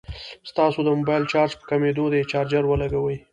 ستاسو د موبايل چارج په کميدو دی ، چارجر ولګوئ